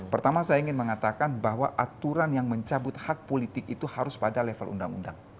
pertama saya ingin mengatakan bahwa aturan yang mencabut hak politik itu harus pada level undang undang